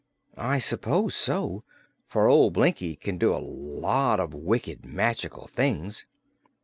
"I suppose so, for old Blinkie can do a lot of wicked magical things."